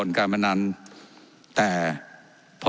ว่าการกระทรวงบาทไทยนะครับ